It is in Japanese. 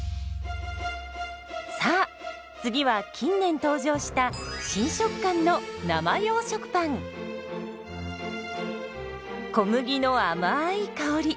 さあ次は近年登場した新食感の小麦のあまい香り。